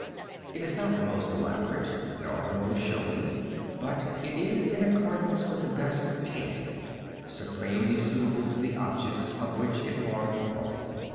It is not the most elaborate, nor the most showy, but it is in accordance with the best taste, supremely suitable to the objects of which it formed a part.